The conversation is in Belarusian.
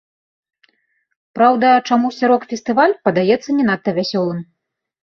Праўда, чамусьці рок-фестываль падаецца не надта вясёлым.